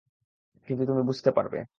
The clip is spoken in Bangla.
কিন্তু তুমি বুঝতে পারবে।